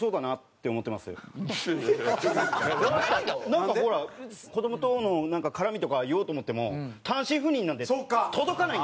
なんかほら子供との絡みとか言おうと思っても単身赴任なんで届かないんですよ。